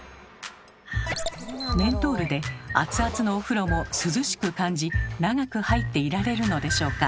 メントールで熱々のお風呂も涼しく感じ長く入っていられるのでしょうか。